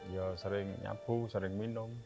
ya sering nyabu sering minum